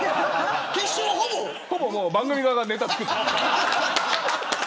ほぼ番組側がネタをつくった。